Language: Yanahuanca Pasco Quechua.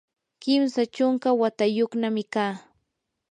kimsa chunka watayuqnami kaa.